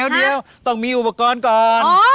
เดี๋ยวต้องมีอุปกรณ์ก่อน